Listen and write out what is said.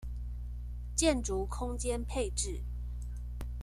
建築空間配置